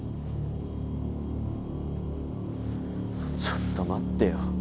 ちょっと待ってよ。